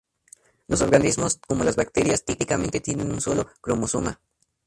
Los organismos como las bacterias típicamente tienen un solo cromosoma.